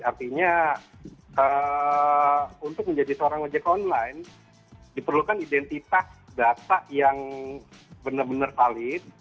artinya untuk menjadi seorang ojek online diperlukan identitas data yang benar benar valid